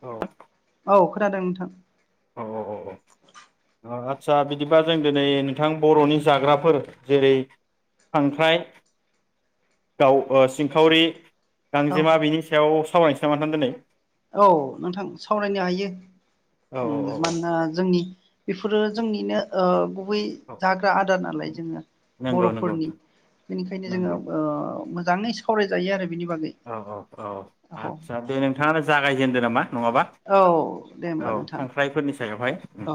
औ औ खोनादों नों थां औ औ औ औ आदसा बिदिबा जों दिनै नोंथां बर'नि जाग्राफोर जेरै खांख्राइ गाव सिंखावरि गांजेमा बिनि सायाव सावायनोसै [unintelligible] दोनै औ नोंथां सावरायनो हायो औ औ औ मानोना जोंनि बेफोरो जोंनिनो गु बै औ जाग्रा आदार नालाय जोङो नंगौ नंगौ बर'फोरनि नोंथां बेनिखायनो जोङो नंगौ मो मोजाङै सावरायजायो आरो बिनि बागै औ औ औ आदसा दे नोंथाङानो जागाय जेनदो नामा नङाबा औ दे होमबा औ नोंथां खांख्राइफोरनि सायावहाय उम औ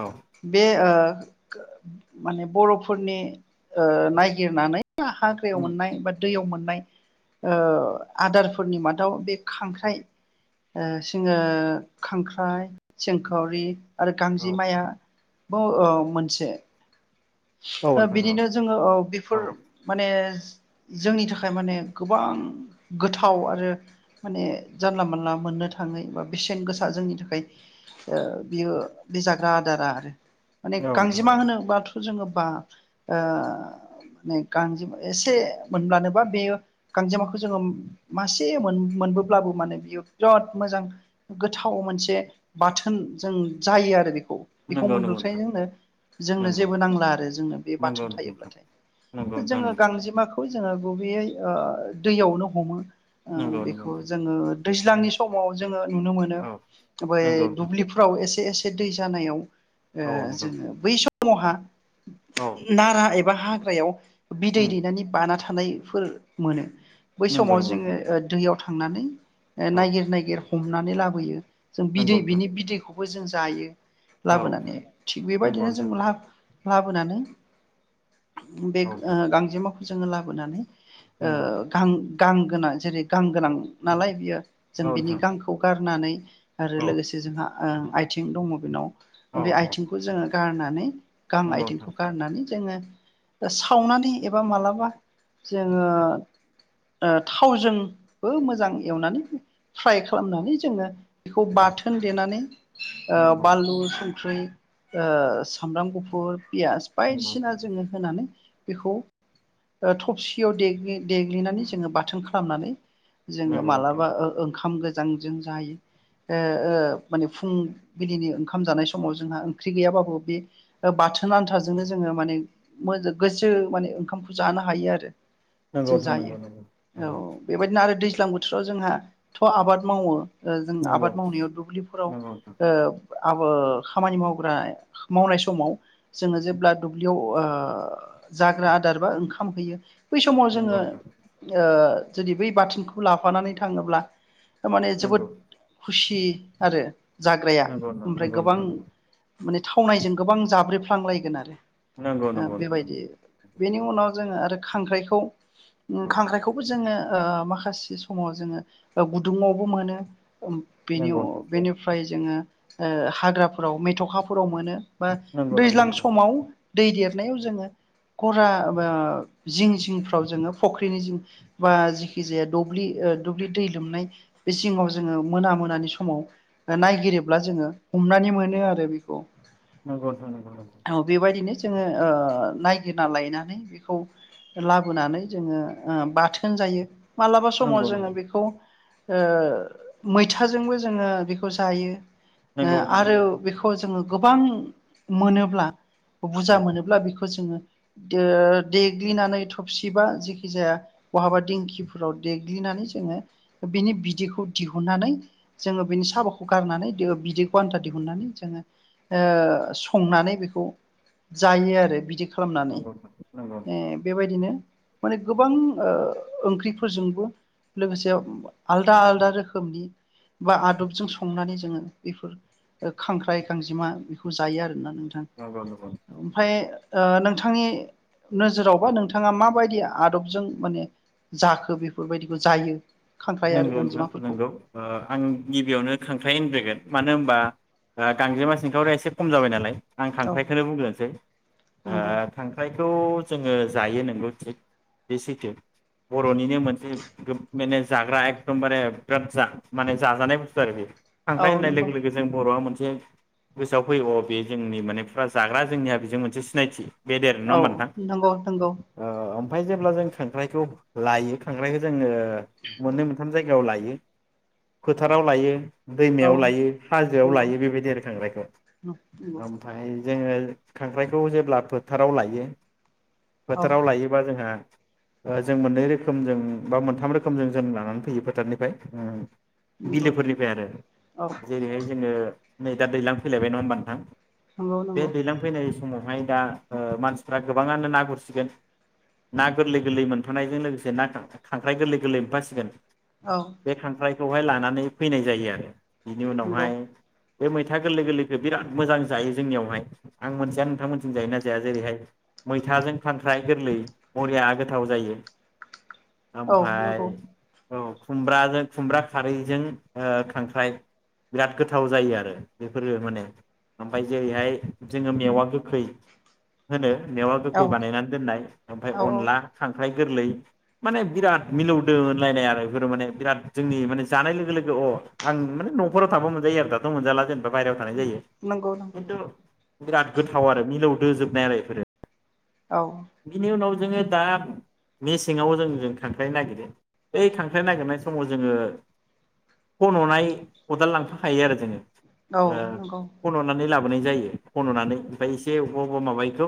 औ बे ओ माने बर'फोरनि ओ नायगिरनानै हाग्रायाव उम मोननाय बा दैयाव मोन नाय ओ आदारफोरनि मादाव बे खांख्राइ ओ सिङो खांख्राइ सिंखावरि आरो औ गांजेमाया बो ओ मोनसे औ ओ नोंथां औ बिदिनो जोङो औ बेफोर माने जोंनि थाखाय माने गोबां गोथाव आरो माने जानला मोनानला मोननो थाङो बा बेसेन गोसा जोंनि थाखाय ओ बियो बे जाग्रा आदारा आरो माने नोंथां औ गांजेमा होनो बाथ जोङो बा ओ नै गांजेमा एसे मोनब्लानोबा बेयो गांजेमाखौ जोङो मासे मोनबोब्लाबो माने बेयो बिराद मोजां गोथाव मोनसे बाथोन जों जायो आरो बेखौ बेखौ नंगौ नंगौ मोनब्लाथाय नोंथां जोंनो जोंनो नंगौ जेबो नांला आरो जोंनो बे नंगौ बाथोन नंगौ नोंथां थायोब्लाथाय नंगौ नोंथां जोङो नंगौ गांजेमाखौ। जोङो गुबेयै ओ दैयावनो हमो ओ नंगौ नंगौ बेखौ नोंथां जोङो दैज्लांनि समाव जोङो नुनो मोनो औ नंगौ नोंथां दुब्लिफ्राव एसे एसे एसे दै जानायाव औ ओ नंगौ जोङो बै सम महा औ नारा एब बा हाग्रायाव बिदै उम दैनानै बाना थानायफोर मोनो। बै नंगौ समाव जोङो नोंथां ओ दैयाव थांनानै ए औ नायगिर नायगिर हमनानै लाबोयो। जों नंगौ बिदै बिनि नोंथां बिदैखौ बो जों जायो। औ लाबोनानै थिग नंगौ नोंथां बेबायदिनो [unintelligible] लाबोनानै बे औ ओ नोंथां गांजेमा जोङो लाबोनानै ओ नंगौ गां गां गोनां जेरै गां गोनां नालाय बियो। जों औ बिनि नोंथां गांखौ गार नानै आरो औ लोगोसे जोंहा ओं आइथिं दङ बिनाव। औ बे औ आइथिंखौ जोङो गारनानै गां नंगौ नोंथां आइथिंखौ गारनानै जोङो सावनानै एबा मालाबा जोङो ओ थावजोंबो मोजां एवनानै फ्राय खालामनानै जोङो बेखौ नंगौ बाथोन देनानै नंगौ बानलु ओ संख्रै ओ सामब्राम गुफुर पियास बायदिसिना जोङो होनानै बेखौ ओ थबसियाव देग्लि देग्लिनानै जोङो बाथोन खालामनानै जोङो नंगौ नोंथां मालाबा ओ ओंखामजो जांजों जायो ओ ओ माने फुंबिलिनि ओंखाम जानाय समाव जोंहा ओंख्रि गैयाबाबो बे बाथोन आनथाजोंनो जोङो माने मो-गोसो माने ओंखामखो जानो हायो आरो। नंगौ जों नोंथां नंगौ जायो नोंथां औ बेबायदिनो आरो दैज्ल दैज्लां बोथोराव जोंहा थ आबाद मावो। ओ जों आबाद नंगौ मावनायाव दुब्लिफोराव नंगौ ओ आबो खामानि माव बोनाय मावनाय समाव जोङो जेब्ला दुब्लियाव ओ जाग्रा आदार बा ओंखाम होयो बै समाव जोङो नंगौ ओ जुदि बै बाथोनखौ लाफानानै थाङोब्ला थारमाने जोबोद खुसि आरो। जाग्राया नंगौ नंगौ ओमफ्राय गोबां नोंथां माने थावनायजों गोबां जाब्रेफ्लांलायगोन आरो। नंगौ नोंथां बेबायदि बेनि उनाव जोङो आरो खांख्राइखौ उम खांख्रायखौबो जोङो ओ माखासे समाव जोङो गुदुङावबो मोनो। नंगौ बेनि नंगौ नोंथां नंगौ अ नोंथां औ नंगौ नोंथां बेनिफ्राय जोङो ओ हाग्राफोराव मेथ' खाफोराव मोनो। बा दैज्लां समाव दै देरनायाव जोङो गरा बा जिं जिंफ्राव जोङो फख्रिनि जिं बा जिखि जाया दब्लि ओ दुब्लि दै लोमनाय बे जिङाव जोङो मोना मोनानि समाव ओ नायगिरोब्ला जोङो हमनानै मोनो आरो बि नोंगौ नोंथां नोंगौ नोंगौ। बेबायदिनो जोङो ओ नायगिरना लायनानै बेखौ लाबोनानै जोङो ओ बाथोन जायो । मालाबा समाव नंगौ जोङो नोंथां बेखौ ओ मैथाजोंबो जोङो बेखौ जायो । ओ नंगौ नंगौ नंगौ नोंथां नंगौ आरो बेखौ जोङो गोबां मोनोब्ला औ बुजा मोनोब्ला बेखौ जोङो दो देग्लिनानै थोबसिबा जेखि जाया बहाबा दिंखिफोराव देग्लिनानै जोङो बेनि बिदैखौ दिहुननानै जोङो बेनि साबाखौ गारनानै दो बिदैखौ आन्था दिहुननानै जोङो ओ संनानै बेखौ जायो आरो बिदि खालामनानै नंगौ नोंथां ए बेबायदिनो माने गोबां ओ ओंख्रिफोरजोंबो लोगोसे आलदा आलदा रोखोमनि बा आदबजों संनानै जोङो बेफोर ओ खांख्राइ गांजिमा बेखौ जायो आरो। ना नोंथां नंगौ नंगौ ओमफाय ओ नोंथांनि नोजोरावबा औ नोंथाङा माबायदिया आदबजों माने जाखो बेफोरबायदिखो जायो । नोंगौ नोंथां नोंगौ, ओ आं गिबियावनो खांख्राइ होनग्रोगोन मानो होनबा ओ गांजेमा सेंखावरिया एसे खम जाबाय नालाय । आं औ खांख्राइखोनो बुंग्रोनोसै ओ नंगौ खांख्राइखौ जोङो जायो नोंगौ थिग बे सैथो बर'निनो मोनसे मेने जाग्रा एखदमबारे बिराद जा माने जाजानाय बुस्थु आरो बियो । औ थांनाय होननाय नंगौ लोगो-लोगो जों बर'आ मोनस जे गोसोआव फैगौ बे जोंनि माने फुरा जाग्रा जोंनिया बेजों मोनसे सिनायथि । औ नंगौ-नंगौ । ओमफाय जेब्ला जों खांख्राइखौ लायो खांख्राइखौ जोङो मोननै मोनथाम जायगायाव लायो फोथाराव लायो । औ दैमायाव लायो हाजोआव नंगौ लायो बेबायदि आरो खांख्राइयखौ नंगौ ओमफाय जोङो खांख्राइखौ जेब्ला फोथाराव लायो । औ फोथाराव लायोबा जोंहा ओ जों मोननै रोखोमजों बा मोनथाम रोख खोमजों जों लानानै फैयो फोथारनिफ्राय ओं नंगौ बिलोफोरनिफाय आरो औ जेरैहाय जोङो नै दा दैज्लां फैलायबाय नङा होनोमबा नोंथां नंगौ । दे नंगौ दैलां फैनाय समावहाय दा ओ मानसिफ्रा गोबाङानो ना गुरसिगोन ना गोरलै-गोरलै मोनफानायजों लोगोसे ना खां-खांख्राइ गोरलै गोरलै मोनफासिगोन। औ बे खांख्राइ खौहाय लानानै फैनाय जायो आरो बिनि नंगौ उनावहाय बे मैथा गोरलै गोरलैखौ बिराद मोजां जायो जोंनियावहाय आं मोनथिया नोंथांमोनथिजों जायो नायो ना जाया जेरैहाय मैथाजों खांख्राइ गोरलै बरिया गोथाव जायो औ । नंगौ फाय औ, खुमब्राजों खुमब्रा खारैजों ओ खांख्राइ बिराद गोथाव जायो आरो बेफोरो माने ओमफ्राय जेरैहाय जोङो मेवा गो गोखै होनो मेवा औ गोखै बानायनानै दोननाय ओमफ्राय औ अनला खांख्राइ गोरलै माने बिराद मिलौदो मोनलायनाय आरो बेफोरो माने बिराद जोंनि माने जानाय लोगो लोगो अ आं माने न'खराव थाबा मोनजायो आरो दाथ' मोनजाला जेन थ बाहराव थानाय जायो नंगौ नंगौ खिन्थु बिराद गोथाव आरो मिलौदो जोबनाय आरो बेफोरो औ बिनि उनाव जोङो दा मेसेङाव जों-जों खांख्राइ नागिरो बै खांख्राइ नागिरनाय समाव जोङो खननाय खदाल लांफाखायो आरो जोङो औ ओ नंगौ खन'नानै ला बोनाय जायो खन'नानै ओमफ्राय एसे अबेबा अबेबा माबाखौ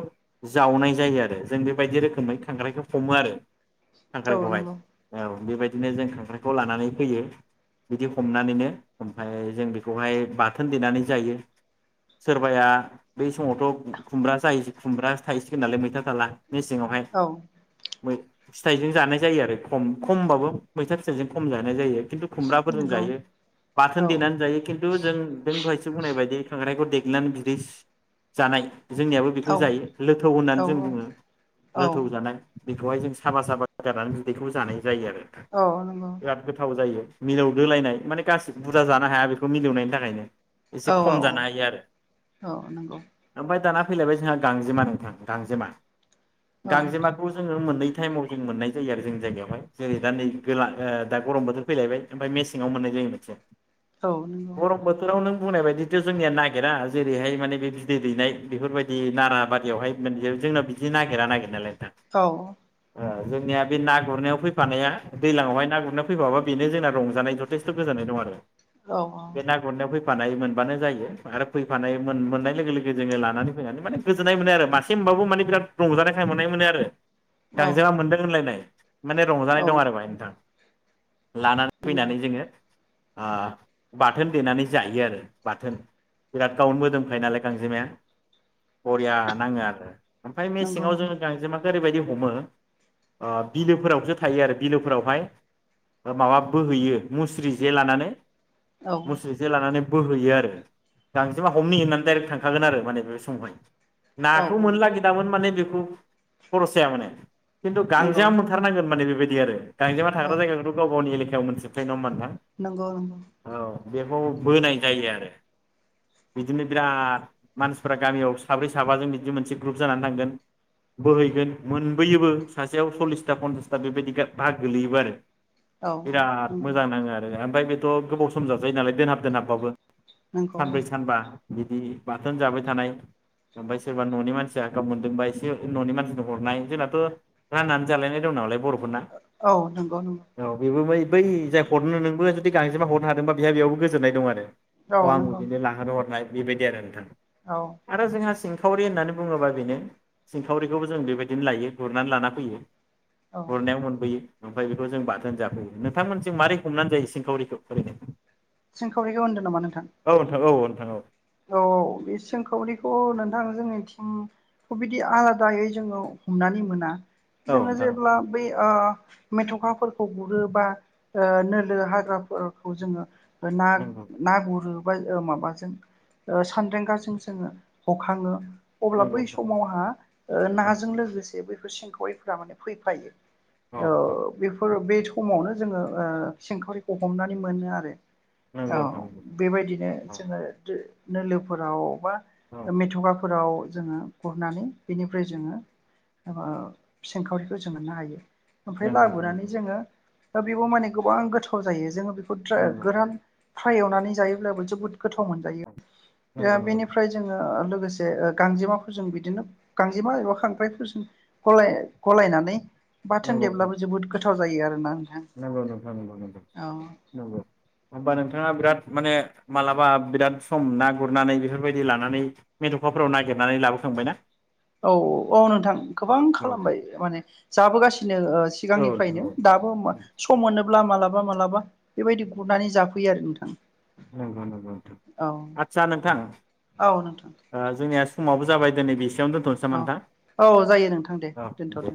जावनाय जायो आरो जों बेबायदि रोखोमै खांख्रायखौ हमो आरो औ खांख्रायखौहाय नंगौ औ बेबायदिनो जों खांख्राइखौ लानानै फैयो बिदि हमनानैनो ओमफ्राय जों बेखौहाय बाथोन देनानै जायो सोरबाया बै समावथ' खुमब्रा जायो खुमब्रा थायसिगोन नालाय मैथा थाला मेसेङावहाय औ मै फिथाइजों जानाय जायो आरो खम खमबाबो मैथा फिथाइजों खम जानाय जायो खिन्थु खुमब्राफोरजों नंगौ जायो बाथोन औ देनानै जायो खिन्थु जों नों दहायसो बुंनाय बायदियै खांख्रायखौ देग्लिनानै बिदै जानाय जोंनियाबो औ बेखौ जायो लोथौ होननानै औ जों बुङो औ लोथौ जानाय बेखौहाय जों साबा साबा गारनानै बिदैखौ जानाय जायो आरो नोंथां औ नंगौ बिराद गोथाव जायो मिलौदोलायनाय माने गासिबो बुरजा जानो हाया बेखौ मिलौनायनि थाखायनो एसे औ खम जानो हायो आरो औ नंगौ औ नंगौ ओमफ्राय दाना फैलायबाय जोंहा गांजेमा नोंथां गांजेमा औ गांजेमाखौ जोङो मोननै टाइमाव जों मोननाय जायो आरो जोंनि जायगायावहाय जेरै दा नै गोला ओ दा गरम बोथोर फैलायबाय ओमफ्राय मेसेङाव मोननाय जायो मोनसे। गरम बाथोराव नों बुंनाय बायदिथ' जोंनिया नागिरा जेरैहाय माने बे बिदै दैनाय बेफोरबायदि नारा बारियावहाय मोन जोंनाव बिदि नागिरा नागिरनायलाय औ जोंनिया बे ना गुरनायाव फैफानाया दैजलांआवहाय ना गुरनायाव फैफाबा बेनो जोंना रंजानाय जथेस्थ' गोजनाय दं आरो। औ बे ना गुरनायाव फै फानाय मोनबानो जायो आरो फैफानाय मोन मोननाय लोगो लोगो जोङो लानानै फैनानै माने गोजोननाय मोनो आरो मासे मोनबाबो माने बिराद। रंजानायखाय मोननाय मोनो आरो। गांजेमा मोनदों होनलायनाय माने रंजानाय दं औ आरो बेहाय नोंथां लानानै नंगौ फैनानै जोङो आ बाथोन देनानै जायो आरो बाथोन बिराद गावनो मोदोमखायो नालाय गांजेमाया बरिया नाङो आरो। फ्राय नंगौ मेसेङाव नंगौ जोंङो ओरैबायदि हमो ओ बिलोफोरावसो थायो आरो बिलोफोरावहाय माबा बोहैयो मुस्रि जे लानानै। औ मुस्रिजे लानानै बोहैयो आरो गांजेमा हमनि होननानै डाइरेक थांखागोन आरो माने बे समावहाय। औ नाखौ मोनला खि माने बेखौ खर'साया माने खिन्थु नंगौ गांजेमा मोनथारनांगोन माने बेबायदि दि आरो गांजेमा औ थाग्रा जायगाखौथ गाव गावनि एले [unintelligible] नंगौ बेखौ बोनाय जायो आरो बिदिनो बिराद मानसिफ्रा गामियाव साब्रै साबाजों बिदि मोनसे ग्रुप जानानै थांगोन बोहैगोन मोनबोयोबो सासेयाव सल्लिसथा पन्सासथा बेबायदि भाहाग गोलैयोबो आरो। औ बिराद नंगौ मोजां नाङो आरो ओमफ्राय बे थ' गोबाव सम जाजायो नालाय दोनहाब दोनहाब बाबो नंगौ सानब्रै सानबा बिदि बाथोन जाबाय थानाय ओमफ्राय सोरबा न'नि मान फ्रा गाव मोनदोंबा एसे न'नि मानसिनो हरनाय जोंनाथ' राननानै जालायनाय दं नालाय बर' ना औ नंगौ नंगौ बेबो बै बै जाय हरनो नोंबो जुदि गांजेमा हरनो हादोंबा बेहा बेयावबो गोजोननाय दं आरो। अ औ आंबो नंगौ बिनो लाहोनो हरनाय। बेबायदि आरो नोंथां आरो जोंहा सि हरि होननानै बुङोबा बेनो सिंखावरिखौबो जों बेबायदिनो लायो गुरनानै लाना फैयो। औ औ गुरनायाव मोनबोयो। ओमफ्राय बेखौ जों बाथोन जाफैयो नोंथांमोनजों मारै हमनानै जायो सिंखावरिखौ फरमायनाय सोंखावरिखौ होनदों नामा नोंथां? औ नोंथां औ औ बे सोंखावरिखौ नोंथां जोंनिथिंखौ बिदि आलादायै जोङो हमनानै मोना। औ जोङो नोंथां औ जेब्ला बै ओ मेथखाफोरखौ गुरो बा नोलो हाग्राफोरखौ जोङो ना नंगौ ना गुरो ओ माबाजों सान्दांगाजों जोङो हखाङो अब्ला नंगौ बै नोंथां समाव आंहा औ नाजों लोगोसे बे बेफोर सिंखारिफोरा माने फैफायो औ नोंथां ओ बेफोर बे बे समावनो जोङो ओ सिंखावरिखौ हमनानै मोनो आरो औ नंगौ नोंथां नंगौ बेबायदिनो औ जोङो नोलोफोराव बा औ मेथगाफोराव जोङो गुरनानै बेनिफ्राय जोङो सिंखावरिखौ जों मोननो हायो ओमफ्राय नंगौ नोंथां लाबोनानै जोङो दा बेबो माने गोबां गोथाव जायो जोङो बे- खथ्रा नंगौ गोरान फ्राय एवनानै जायोब्लाबो जोबोद गोथाव मोनजायो नंगौ नंगौ बेनिफ्राय जोङो लोगोसे गांजेमाफोरजों बिदिनो गांजेमा एबा खांख्राइफोरजों गलाय गलायनानै बाथोन नंगौ नोंथां देबब्लाबो जोबोद गोथ- थाव जायो आरो ना नंगौ नोथां नंगौ नंगौ नंगौ होमबा नोंथाङा बिराद माने मालाबा बिराद सम ना गुरनानै बेफोरबायदि लानानै मेथखाफोराव नागिरनानै लाबोखांबायना? औ औ औ नोंथां गोबां औ खालामबाय माने जाबोगासि नो औ सिगांनिफायनो नोंथां औ दाबो मा सम मोनोब गुरब्ला मालाबा मालाबा बेबायदि गुरनानै जाफैयो आरो नोंथां नंगौ नंगौ नोंथां औ आदसा नोंथां औ नोंथां ओ जोंनिया समाबो जाबाय दिनै बिस दोनथनोसै नामा औ नोंथां औ जायो नोंथां दे औ दे दोनथ'दो उ